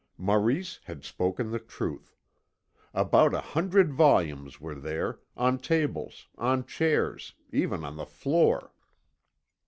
Maurice had spoken the truth. About a hundred volumes were there, on tables, on chairs, even on the floor.